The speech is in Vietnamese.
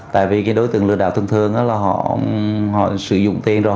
tại vì đối tượng lừa đảo thân thương là họ sử dụng tiền rồi